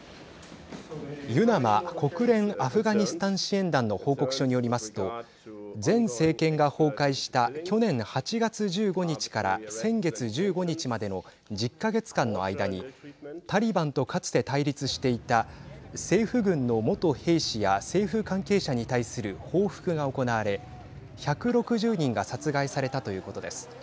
ＵＮＡＭＡ＝国連アフガニスタン支援団の報告書によりますと前政権が崩壊した去年８月１５日から先月１５日までの１０か月間の間にタリバンとかつて対立していた政府軍の元兵士や政府関係者に対する報復が行われ１６０人が殺害されたということです。